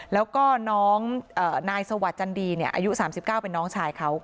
แล้วก็น้องนายสวัสดิจันดีเนี่ยอายุสามสิบเก้าเป็นน้องชายเขา